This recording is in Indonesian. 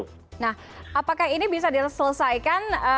nah apakah ini bisa diselesaikan